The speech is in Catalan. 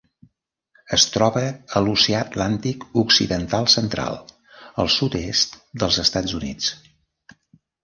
Es troba a l'Oceà Atlàntic occidental central: el sud-est dels Estats Units.